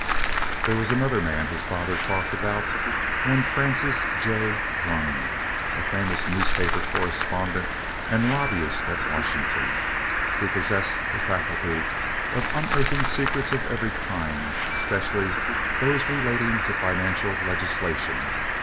There was another man his father talked about—one Francis J. Grund, a famous newspaper correspondent and lobbyist at Washington, who possessed the faculty of unearthing secrets of every kind, especially those relating to financial legislation.